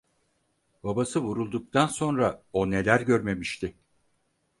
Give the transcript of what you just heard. Babası vurulduktan sonra o neler görmemişti?